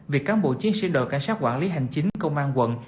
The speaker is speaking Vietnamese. việc cán bộ chiến sĩ đội cảnh sát quản lý hành chính công an quận